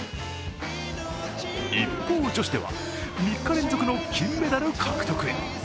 一方、女子では３日連続の金メダル獲得へ。